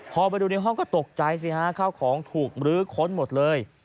พอไปดูในห้องก็ตกใจสิฮะข้าวของถูกมรื้อค้นหมดเลย